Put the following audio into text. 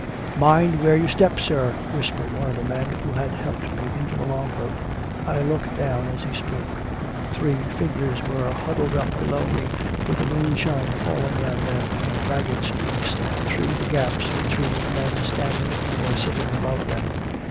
"Mind where you step, sir," whispered one of the men who had helped me into the Long boat. I looked down as he spoke. Three figures were huddled up below me, with the moonshine falling on them in ragged streaks through the gaps between the men standing or sitting above them.